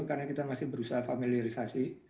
karena kita masih berusaha familiarisasi